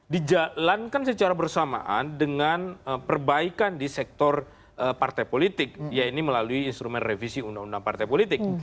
dijalankan secara bersamaan dengan perbaikan di sektor partai politik yaitu melalui instrumen revisi undang undang partai politik